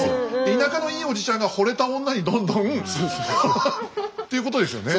田舎のいいおじちゃんがほれた女にどんどんということですよね。